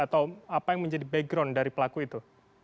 atau apa yang menjadi background dari pelaku itu